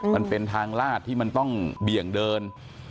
มันเป็นทางลาดที่มันต้องเบี่ยงเดิน